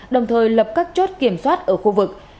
đồng thời lập các chốt kiểm soát ở khu vực